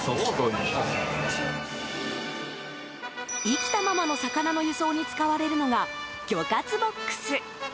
生きたままの魚の輸送に使われるのが、魚活ボックス。